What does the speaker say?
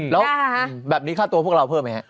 แล้วแบบนี้ค่าตัวพวกเราเพิ่มไหมฮะ